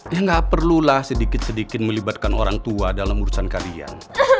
ya nggak perlulah sedikit sedikit melibatkan orang tua dalam urusan kalian